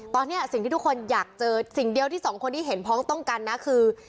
ตอนนี้สิ่งที่ทุกคนอยากเจอสิ่งเดียวที่สองคนที่เห็นพ้องต้องกันนะคือ